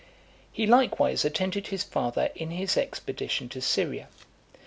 X. He likewise attended his father in his expedition to Syria.